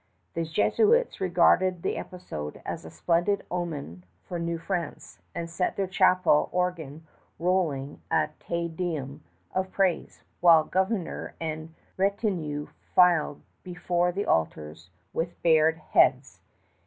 The Jesuits regarded the episode as a splendid omen for New France, and set their chapel organ rolling a Te Deum of praise, while Governor and retinue filed before the altars with bared heads.